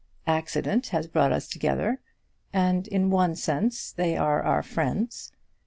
Accident has brought us together, and in one sense they are our friends.